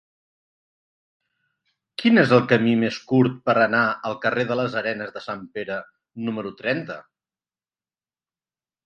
Quin és el camí més curt per anar al carrer de les Arenes de Sant Pere número trenta?